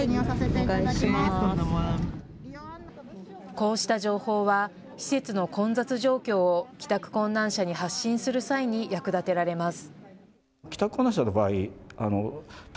こうした情報は施設の混雑状況を帰宅困難者に発信する際に役立てられます。